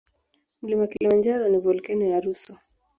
Mlima kilimanjaro ni volkeno ya rusu